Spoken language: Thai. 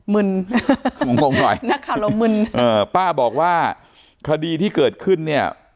มึนนักข่าวเรามึนป้าบอกว่าคดีที่เกิดขึ้นเนี่ย